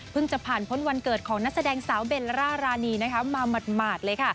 เพิ่งจะผ่านพ้นวันเกิดของนักแสดงสาวเบลล่ารานีนะครับมาหมดหมาดเลยค่ะ